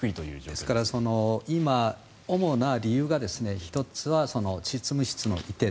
ですから今、主な理由が１つは執務室の移転